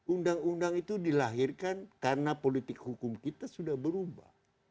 undang undang itu dilahirkan karena politik hukum kita sudah berubah